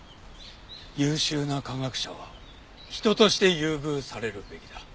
優秀な科学者は人として優遇されるべきだ。